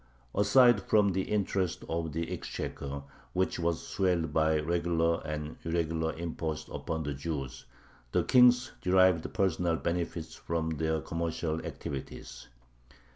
Aside from the interests of the exchequer, which was swelled by regular and irregular imposts upon the Jews, the kings derived personal benefits from their commercial activities.